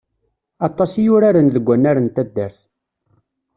Aṭas i uraren deg wannar n taddart.